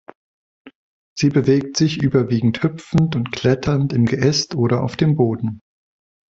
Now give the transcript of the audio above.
Sie bewegt sich überwiegend hüpfend und kletternd im Geäst oder auf dem Boden.